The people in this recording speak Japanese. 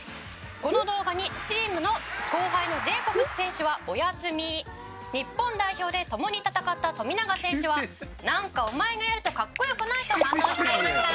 「この動画にチームの後輩のジェイコブス選手は“おやすみ”日本代表で共に戦った富永選手は“なんかお前がやるとかっこよくない”と反応していました」